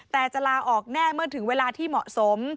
แต่จะลาออกแน่เมื่อถึงเวลาที่เหมาะสม